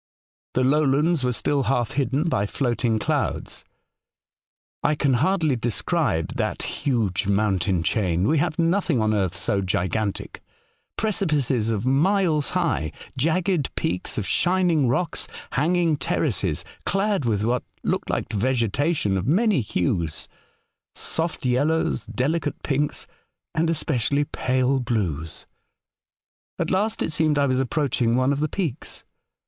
The lowlands were still half hidden by floating clouds. I can hardly describe that huge mountain chain. We have nothing on earth so gigantic. Precipices of miles high, jagged peaks of shining rocks, hanging terraces clad with what looked like vegetation of many hues ; soft yellows, delicate pinks, and especially pale blues. '^ At last it seemed I was approaching one of the peaks.